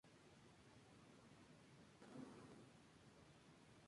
Este último es el de mayor valor artístico.